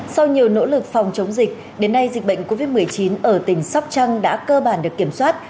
sau nhiều nỗ lực phòng chống dịch đến nay dịch bệnh covid một mươi chín ở tỉnh sóc trăng đã cơ bản được kiểm soát